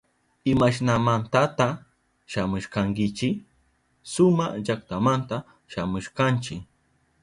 ¿Imashnamantata shamushkankichi? Suma llaktamanta shamushkanchi.